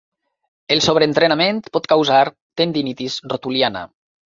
El sobreentrenament pot causar tendinitis rotuliana.